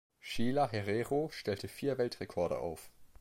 Sheila Herrero stellte vier Weltrekorde auf.